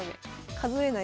数えないと。